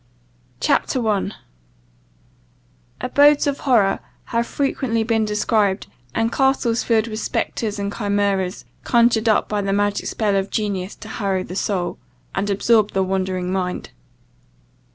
CHAPTER 1 ABODES OF HORROR have frequently been described, and castles, filled with spectres and chimeras, conjured up by the magic spell of genius to harrow the soul, and absorb the wondering mind.